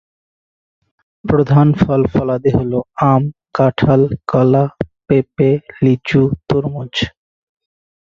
প্রধান ফল-ফলাদি হল আম, কাঁঠাল, কলা, পেঁপে, লিচু, তরমুজ।